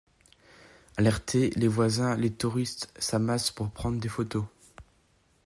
Alertés, les voisins, les touristes, s'amassent pour prendre des photos.